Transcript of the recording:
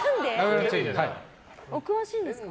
お詳しいんですか？